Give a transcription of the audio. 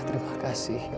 terima kasih ya allah